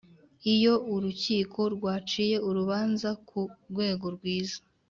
Iyo urukiko rwaciye urubanza ku rwego rwiza